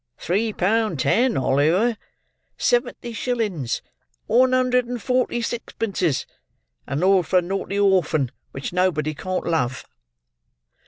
—three pound ten, Oliver!—seventy shillins—one hundred and forty sixpences!—and all for a naughty orphan which nobody can't love."